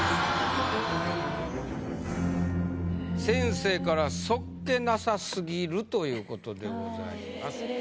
先生から「素っ気なさすぎる」という事でございます。